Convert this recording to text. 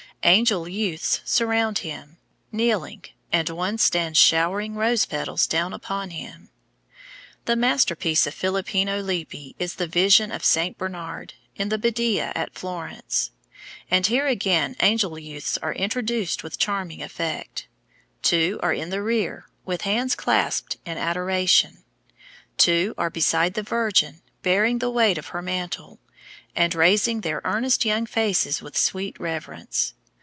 Angel youths surround him, kneeling, and one stands showering rose petals down upon him. The masterpiece of Filippino Lippi is the Vision of Saint Bernard, in the Badia at Florence, and here again angel youths are introduced with charming effect. Two are in the rear, with hands clasped in adoration; two are beside the Virgin, bearing the weight of her mantle, and raising their earnest young faces with sweet reverence.